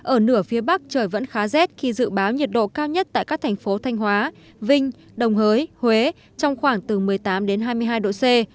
ở nửa phía bắc trời vẫn khá rét khi dự báo nhiệt độ cao nhất tại các thành phố thanh hóa vinh đồng hới huế trong khoảng từ một mươi tám đến hai mươi hai độ c